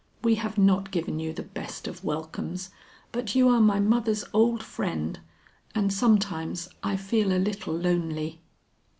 We have not given you the best of welcomes, but you are my mother's old friend, and sometimes I feel a little lonely."